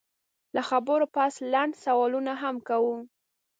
له خبرو پس لنډ سوالونه هم کوو